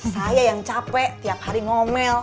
saya yang capek tiap hari ngomel